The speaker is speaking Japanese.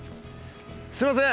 すいません！